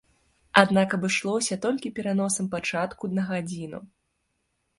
Аднак абышлося толькі пераносам пачатку на гадзіну.